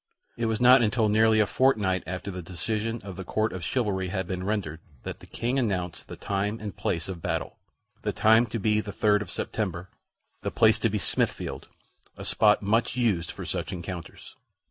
It was not until nearly a fortnight after the decision of the Court of Chivalry had been rendered that the King announced the time and place of battle the time to be the 3d of September, the place to be Smithfield a spot much used for such encounters.